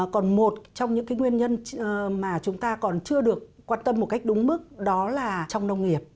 còn một trong những nguyên nhân mà chúng ta còn chưa được quan tâm một cách đúng mức đó là trong nông nghiệp